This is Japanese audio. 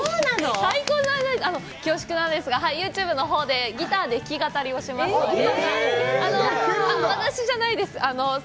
恐縮なんですが、ユーチューブのほうで、ギターで弾き語りをしますので。